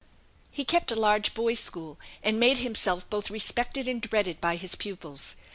He kept a large boys' school; and made himself both respected and dreaded by his pupils.